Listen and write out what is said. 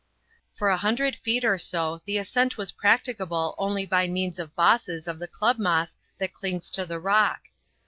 For a hundred feet or so the ascent was practicable only by means of bosses of the club moss that clings to the rock.